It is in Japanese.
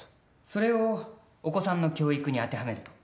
それをお子さんの教育に当てはめると？